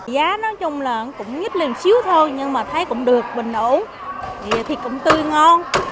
giá nói chung là cũng nhít lên xíu thôi nhưng mà thấy cũng được bình ổn thì thịt cũng tươi ngon